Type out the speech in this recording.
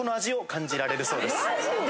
マジで！？